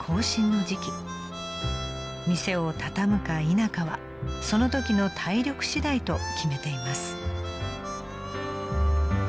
［店を畳むか否かはそのときの体力次第と決めています］